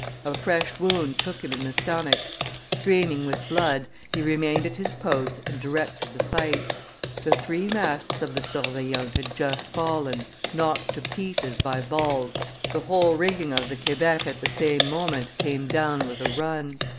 A fresh wound took him in the stomach; streaming with blood, he remained at his post and directed the fight. The three masts of the Surveillante had just fallen, knocked to pieces by balls, the whole rigging of the Quebec at the same moment came down with a run.